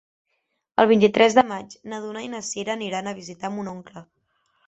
El vint-i-tres de maig na Duna i na Sira aniran a visitar mon oncle.